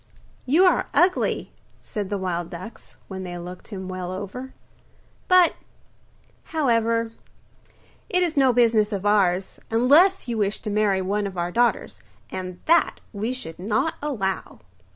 'You are ugly,' said the wild ducks, when they had looked him well over; 'but, however, it is no business of ours, unless you wish to marry one of our daughters, and that we should not allow.